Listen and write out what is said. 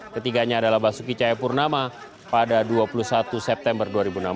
ketiganya adalah basuki cahayapurnama pada dua puluh satu september dua ribu enam belas